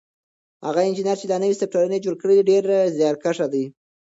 هغه انجنیر چې دا نوی سافټویر یې جوړ کړی ډېر زیارکښ دی.